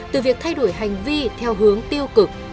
từ việc thay đổi hành vi theo hướng tiêu cực